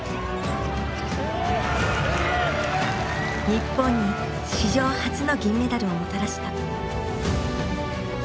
日本に史上初の銀メダルをもたらした。